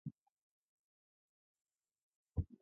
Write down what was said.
هلته چېک اېن وکړم.